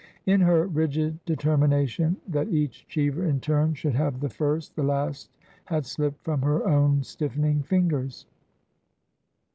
In her rigid deter mination that each Cheever in turn should have the first, the last had slipped from her own stiffening fingers.